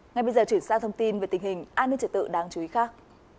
ngay bây giờ chuyển sang thông tin về tình hình an ninh trợ tự đáng chú ý khác